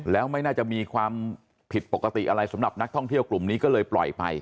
แล้วไม่น่าจะมีความผิดปกติอะไรสำหรับนักท่องเที่ยวกลุ่มนี้ก็เลยปล่อยไป